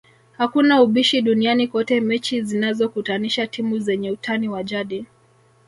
Hakuna ubishi duniani kote mechi zinazokutanisha timu zenye utani wa jadi